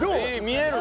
見える。